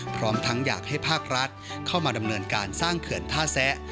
พร้อมทั้งอยากให้ภาครัฐเข้ามาดำเนินการสร้างเขื่อนท่าแซะ